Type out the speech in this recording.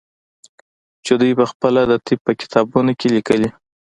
چې دوى پخپله د طب په کتابونو کښې ليکلي.